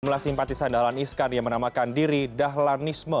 jumlah simpatisan dahlan iskan yang menamakan diri dahlanisme